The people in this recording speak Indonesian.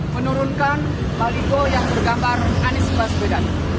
menurunkan baliho yang bergambar anies baswedan